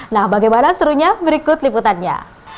nah bagaimana serunya berikut liputannya